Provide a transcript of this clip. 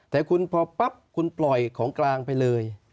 แต่คุณพอปั๊บคุณปล่อยของกลางไปเลย